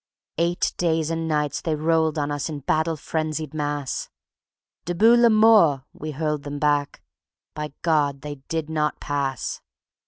Eight days and nights they rolled on us in battle frenzied mass! "Debout les morts!" We hurled them back. By God! they did not pass.